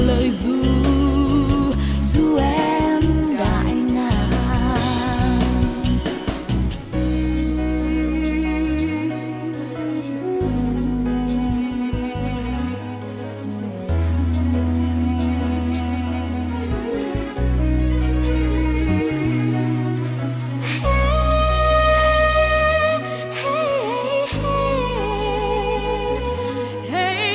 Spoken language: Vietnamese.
lời ru đưa em rất nồng